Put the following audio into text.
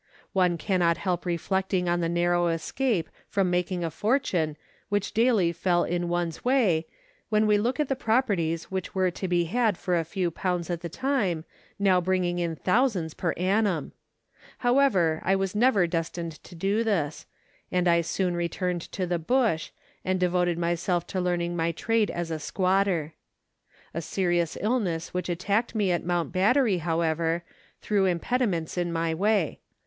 One cannot help reflecting on the narrow escape from making a fortune which daily fell in one's way, when we look at the properties which were to be had for a few pounds at the time, now bringing in thousands per annum. However, I was never destined to this, and I soon returned to the bush, and devoted myself to learning my trade as a squatter. A serious illness which attacked me at Mount Battery, however, threw impediments in my way.